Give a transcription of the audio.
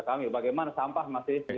kami bagaimana sampah masih